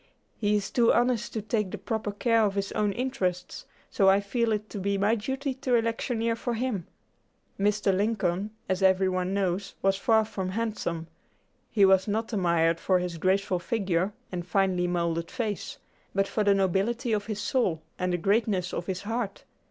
He is too honest to take the proper care of his own interests, so I feel it to be my duty to electioneer for him." Mr. Lincoln, as every one knows, was far from handsome. He was not admired for his graceful figure and finely moulded face, but for the nobility of his soul and the greatness of his heart.